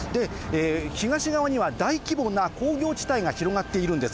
東側には大規模な工業地帯が広がっているんです。